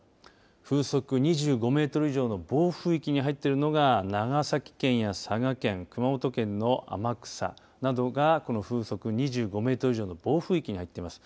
風速２５メートル以上の暴風域に入っているのが長崎県や佐賀県、熊本県の天草などが、この風速２５メートル以上の暴風域に入っています。